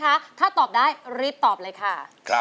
มาฟังอินโทรเพลงที่๑๐